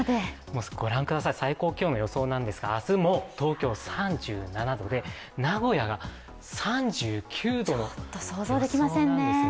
ご覧ください、最高気温の予想なんですが明日も東京、３７度で名古屋が３９度の予想なんです。